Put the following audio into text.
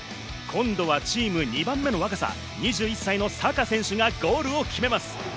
今度はチーム２番目の若さ、２１歳のサカ選手がゴールを決めます。